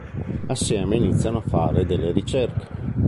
Assieme iniziano a fare delle ricerche.